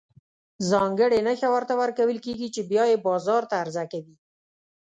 ځانګړې نښه ورته ورکول کېږي چې بیا یې بازار ته عرضه کوي.